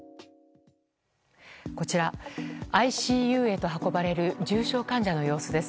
こちら、ＩＣＵへと運ばれる重症患者の様子です。